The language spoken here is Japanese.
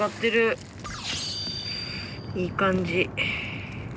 いい感じ。